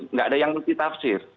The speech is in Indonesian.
nggak ada yang multi tafsir